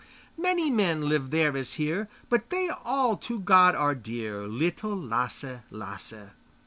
Many men live there as here, But they all to God are dear, Little Lasse, Lasse.